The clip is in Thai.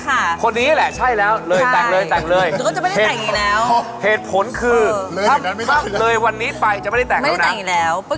เขาไม่มีเวลาเลยเหรอ